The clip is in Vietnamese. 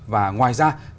và ngoài ra